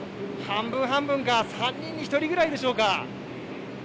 半分半分か３人に１人ぐらいでしょうか。